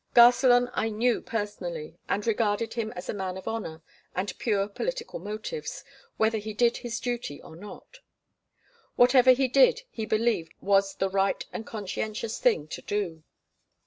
Garcelon I knew personally, and regarded him as a man of honour and pure political motives, whether he did his duty or not; whatever he did he believed was the right and conscientious thing to do.